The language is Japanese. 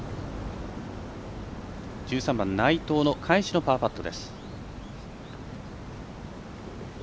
１３番、内藤、返しのパーパット。